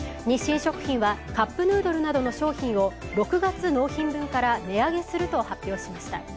日清食品はカップヌードルなどの商品を６月納品分から値上げすると発表しました。